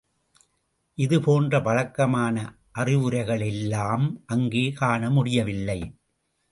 இது போன்ற பழக்கமான அறிவுரைகளை எல்லாம் அங்கே காணமுடியவில்லை.